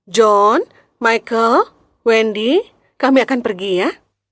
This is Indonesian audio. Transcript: john michael wendy kami akan pergi ya